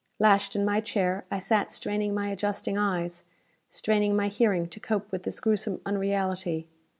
Lashed in my chair, I sat straining my adjusting eyes, straining my hearing to cope with this gruesome unreality.